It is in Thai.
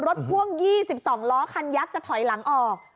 พ่วง๒๒ล้อคันยักษ์จะถอยหลังออก